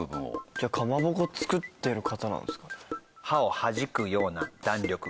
じゃあかまぼこ作ってる方なんですかね？